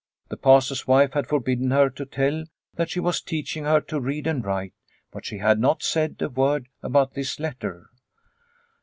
The Pastor's wife had forbidden her to tell that she was teaching her to read and write, but she had not said a word about this letter.